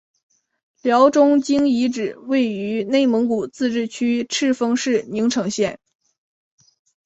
辽中京遗址位于内蒙古自治区赤峰市宁城县。